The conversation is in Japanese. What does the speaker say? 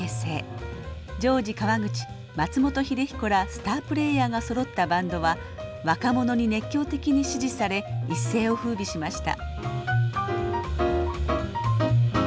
ジョージ川口松本英彦らスタープレーヤーがそろったバンドは若者に熱狂的に支持され一世をふうびしました。